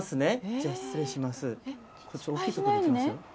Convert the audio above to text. じゃあ、失礼します。